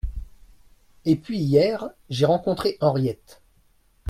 Et puis, hier, j’ai rencontré Henriette !